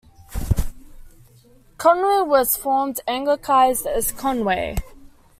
"Conwy" was formerly Anglicised as "Conway.